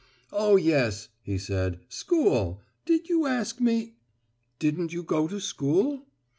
"Oh, yes," he said "school. Did you ask me " "Didn't you go to school?"